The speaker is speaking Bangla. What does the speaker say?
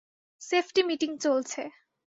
সেফটি মিটিং চলছে।